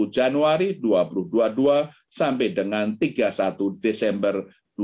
satu januari dua ribu dua puluh dua sampai dengan tiga puluh satu desember dua ribu dua puluh